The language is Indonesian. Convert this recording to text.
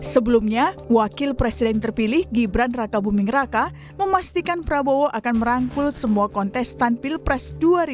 sebelumnya wakil presiden terpilih gibran raka buming raka memastikan prabowo akan merangkul semua kontestan pilpres dua ribu sembilan belas